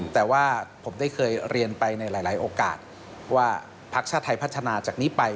แต่ว่าผมได้เคยเรียนไปในหลายโอกาสว่าพักชาติไทยพัฒนาจากนี้ไป